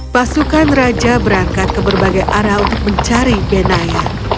pasukan raja berangkat ke berbagai arah untuk mencari benaya